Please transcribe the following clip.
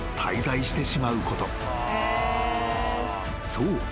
［そう。